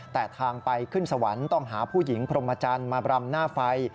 แต่ทางไปขึ้นสวรรค์ต้องหาผู้หญิงพรมจันทร์มาบรำหน้าไฟ